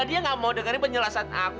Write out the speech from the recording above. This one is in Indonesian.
dia gak mau dengerin penjelasan aku